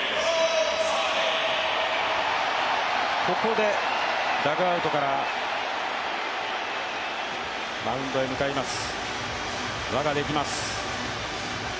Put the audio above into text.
ここでダグアウトからマウンドへ向かいます。